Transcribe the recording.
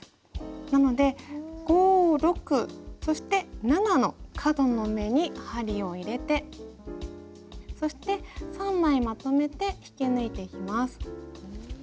なので５６そして７の角の目に針を入れてそして３枚まとめて引き抜いていきます。